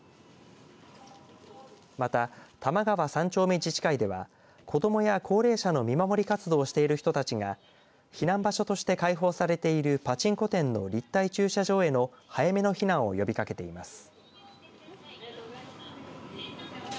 また、玉川３丁目自治会では子どもや高齢者の見守り活動をしている人たちが避難場所として解放されているパチンコ店の立体駐車場への早めの避難を呼びかけています。